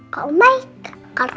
ke om baik karena